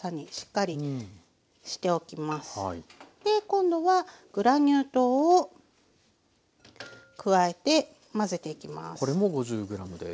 今度はグラニュー糖を加えて混ぜていきます。